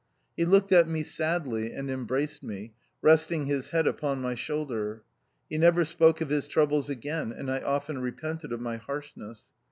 He looked at me sadly, and embraced me, resting his head upon my shoulder; he never spoke of his troubles again, and I often repented of my harshness.